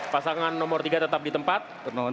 pasangan nomor tiga tetap di tempat